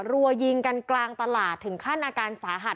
รัวยิงกันกลางตลาดถึงขั้นอาการสาหัส